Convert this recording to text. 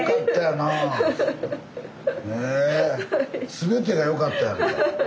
全てがよかったやんか。